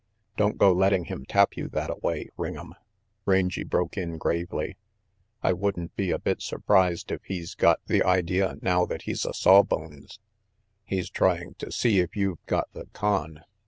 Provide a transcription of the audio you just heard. "Don't go letting him tap you thattaway, Ring'em," Rangy broke in gravely. "I wouldn't be a bit surprised if he's got the idea now that he's a sawbones, ' he's trying to see if you've got the con.